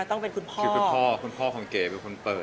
ต้องเป็นคุณพ่อคุณพ่อของเก๋เป็นคนเปิด